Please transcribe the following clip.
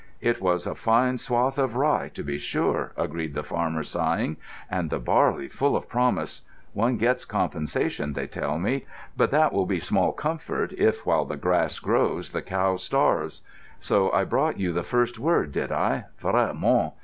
"It was a fine swathe of rye, to be sure," agreed the farmer, sighing. "And the barley full of promise—one gets compensation, they tell me; but that will be small comfort if while the grass grows the cow starves. So I brought you the first word, did I? Vraiment?